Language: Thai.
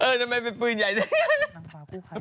เออทำไมเป็นปืนใหญ่ด้วย